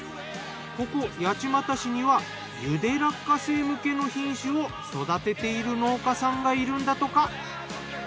ここ八街市にはゆで落花生向けの品種を育てている農家さんがいるんだとか。